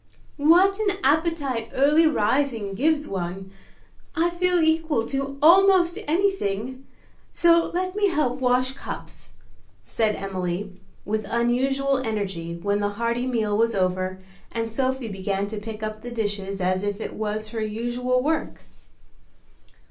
"What an appetite early rising gives one. I feel equal to almost anything, so let me help wash cups," said Emily, with unusual energy, when the hearty meal was over and Sophie began to pick up the dishes as if it was her usual work.